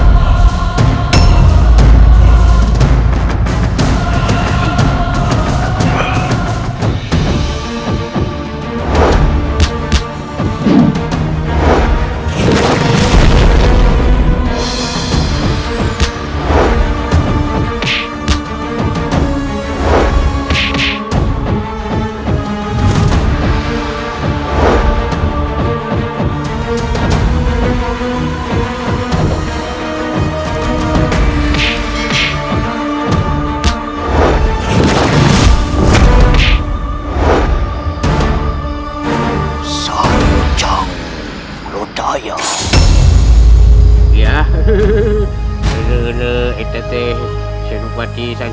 kau bisa membunuh raja sendirian